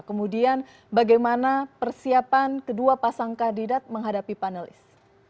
kemudian bagaimana persiapan kedua pasang kandidat menghadapi panelis